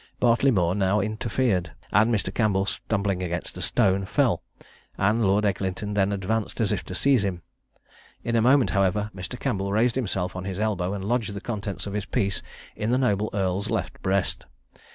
Bartleymore now interfered; and Mr. Campbell stumbling against a stone, fell, and Lord Eglinton then advanced as if to seize him. In a moment, however, Mr. Campbell raised himself on his elbow, and lodged the contents of his piece in the noble earl's left breast.